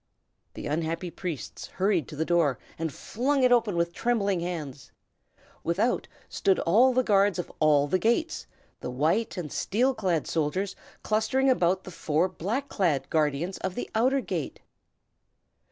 The unhappy priests hurried to the door, and flung it open with trembling hands. Without stood all the guards of all the gates, the white and the steel clad soldiers clustering about the four black clad guardians of the outer gate.